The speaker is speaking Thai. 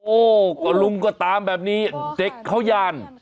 โอ้ก็ลุงก็ตามแบบนี้เด็กเขาย่าน